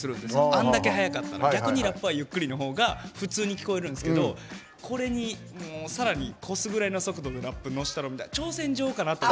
あんだけ速かったら逆にラップはゆっくりのほうが普通に聞こえるんですけどこれにさらに越すぐらいのラップ乗せたろと。